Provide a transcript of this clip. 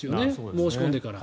申し込んでから。